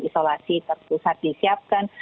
isolasi terpusat disiapkan